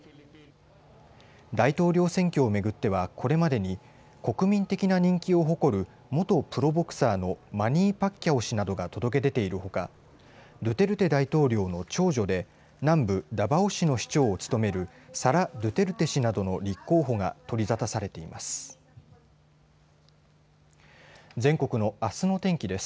大統領選挙を巡ってはこれまでに国民的な人気を誇る元プロボクサーのマニー・パッキャオ氏などが届けているほかドゥテルテ大統領の長女で南部ダバオ市の市長を務めるサラ・ドゥテルテ氏などの立候補が取り沙汰されています。